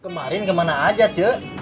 kemarin kemana aja cek